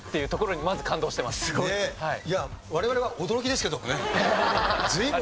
いや我々は驚きですけどもね。